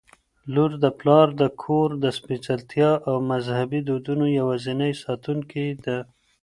لور د پلار د کور د سپیڅلتیا او مذهبي دودونو یوازینۍ ساتونکي ده